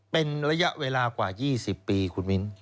เป็นระยะเวลากว่า๒๐ปีคุณมิ้น